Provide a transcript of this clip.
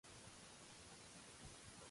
Quina és la meta de Maragall en aquest pacte?